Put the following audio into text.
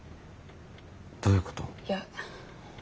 どういうこと？